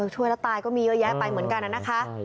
ช่วยแล้วตายก็มีเยอะแยะไปเหมือนกันนะคะ